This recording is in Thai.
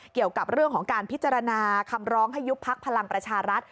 เกี่ยวกับเรื่องของการพิจารณาคำร้องให้ยุบพักพลังประชารัฐ